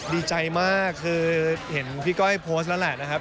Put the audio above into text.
ดีใจมากคือเห็นพี่ก้อยโพสต์แล้วแหละนะครับ